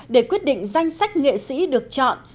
để quyết định danh sách nghệ sĩ được chọn